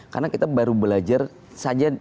karena kita baru belajar saja